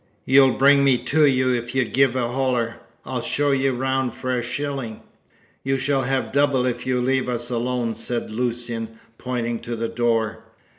"You'll bring me to you if ye give a holler. I'll show ye round for a shilling." "You shall have double if you leave us alone," said Lucian, pointing to the door.